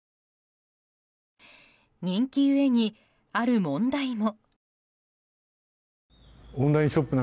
人気故にある問題も。